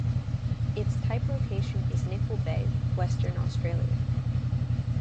Its type location is Nicol Bay, Western Australia.